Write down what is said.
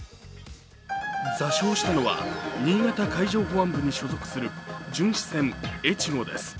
座礁したのは新潟海上保安部に所属する巡視船「えちご」です。